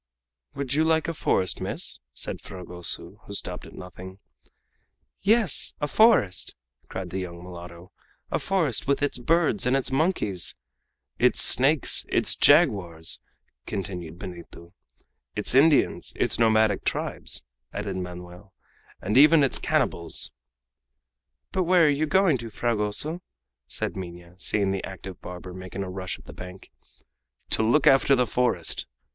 "Would you like a forest, miss?" said Fragoso, who stopped at nothing. "Yes, a forest!" cried the young mulatto; "a forest with its birds and its monkeys " "Its snakes, its jaguars!" continued Benito. "Its Indians, its nomadic tribes," added Manoel, "and even its cannibals!" "But where are you going to, Fragoso?" said Minha, seeing the active barber making a rush at the bank. "To look after the forest!"